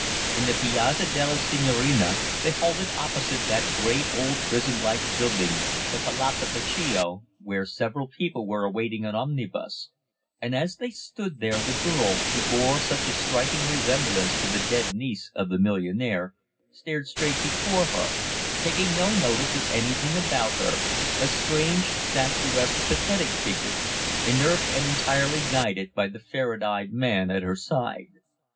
In the Piazza della Signorina they halted opposite that great old prison like building, the Palazzo Vecchio, where several people were awaiting an omnibus, and as they stood there the girl, who bore such a striking resemblance to the dead niece of the millionaire, stared straight before her, taking no notice of anything about her, a strange, statuesque, pathetic figure, inert and entirely guided by the ferret eyed man at her side.